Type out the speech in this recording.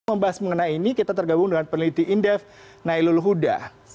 membahas mengenai ini kita tergabung dengan peneliti indef nailul huda